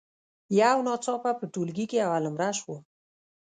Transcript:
یو ناڅاپه په ټولګي کې اول نمره شوم.